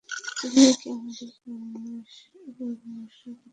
তুমিই কি আমাদের উপাস্যদের প্রতি এরূপ করেছ?